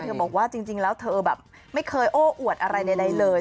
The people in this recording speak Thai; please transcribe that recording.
บอกว่าจริงแล้วเธอแบบไม่เคยโอ้อวดอะไรใดเลย